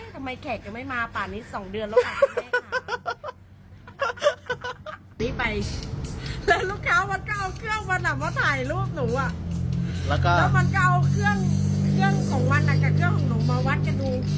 แล้วมันก็เอาเครื่องของวันอันของหนูมาวัดกันดู